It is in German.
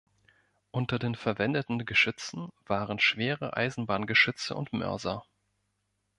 Unter den verwendeten Geschützen waren schwere Eisenbahngeschütze und Mörser.